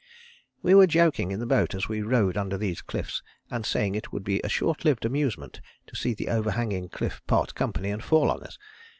"We were joking in the boat as we rowed under these cliffs and saying it would be a short lived amusement to see the overhanging cliff part company and fall on us.